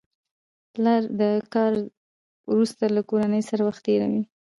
پلر د کار وروسته له کورنۍ سره وخت تېروي